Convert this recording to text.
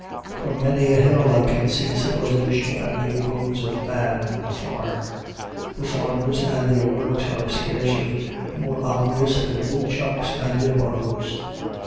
From many a hill I can see civilization and the abodes of man afar. The farmers and their works are scarcely more obvious than woodchucks and their burrows.